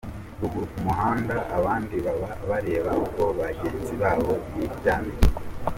Ruguru ku muhanda abandi baba barebe uko bagenzi babo biryamiye.